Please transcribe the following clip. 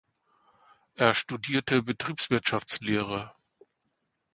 Er studierte Betriebswirtschaftslehre.